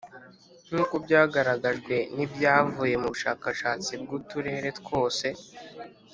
Nk’uko byagaragajwe n’ibyavuye mu bushakashatsi bw’uturere twose